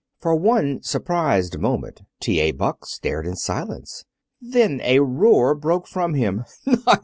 For one surprised moment T.A. Buck stared in silence. Then a roar broke from him.